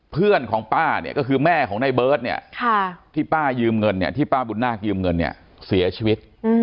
เพื่อนของป้าเนี่ยก็คือแม่ของในเบิร์ตเนี่ยที่ป้ายืมเงินเนี่ยที่ป้าบุญนาคยืมเงินเนี่ยเสียชีวิต